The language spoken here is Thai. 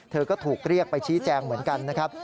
เธอก็ถูกเรียกไปชี้แจงเหมือนกันนะครับ